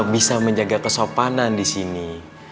bisa menjaga kesopanan di sini